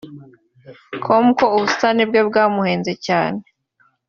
com ko ubusitani bwe bwamuhenze cyane